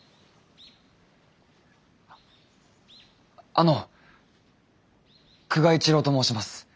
あの久我一郎と申します。